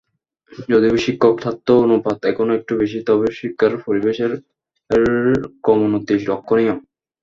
যদিও শিক্ষক-ছাত্র অনুপাত এখনো একটু বেশি, তবু শিক্ষার পরিবেশের ক্রমোন্নতি লক্ষণীয়।